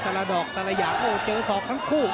แต่ละดอกแต่ละอย่างโอ้เจอศอกทั้งคู่